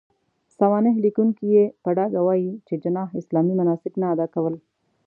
سوانح ليکونکي يې په ډاګه وايي، چې جناح اسلامي مناسک نه اداء کول.